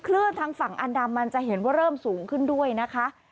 ทางฝั่งอันดามันจะเห็นว่าเริ่มสูงขึ้นด้วยนะคะ